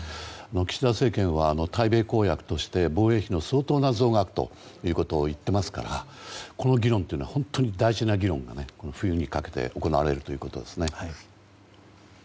岸田政権は対米公約として防衛費の相当な増額ということを言っていますからこの議論というのは本当に大事な議論が冬にかけて行われるということですね。